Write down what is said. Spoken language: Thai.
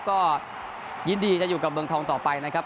ก็ยินดีจะอยู่กับเมืองทองต่อไปนะครับ